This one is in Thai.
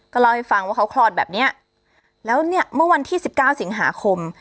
เล่าให้ฟังว่าเขาคลอดแบบเนี้ยแล้วเนี่ยเมื่อวันที่สิบเก้าสิงหาคม